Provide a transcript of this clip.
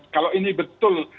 kalau ini betul